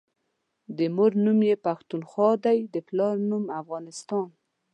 دمور نوم يی پښتونخوا دی دپلار افغانستان